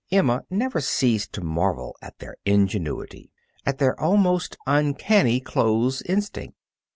Emma never ceased to marvel at their ingenuity, at their almost uncanny clothes instinct.